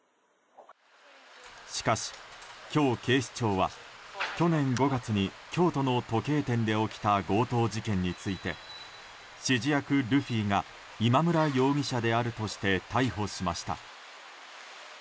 しかし今日、警視庁は去年５月に京都の時計店で起きた強盗事件について指示役ルフィが今村容疑者であるとして逮捕しました。